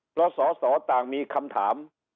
เพราะสอสอต่างมีคำถาม